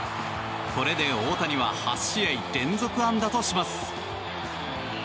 これで大谷は８試合連続安打とします。